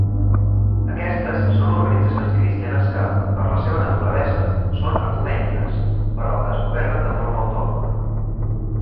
Aquestes són organitzacions cristianes que, per la seva naturalesa, són ecumèniques, però que es governen de forma autònoma.